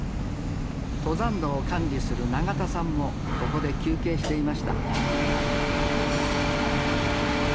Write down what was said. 登山道を管理する永田さんもここで休憩していました